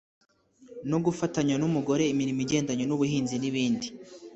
no gufatanya n umugore imirimo igendanye n ubuhinzi n ibindi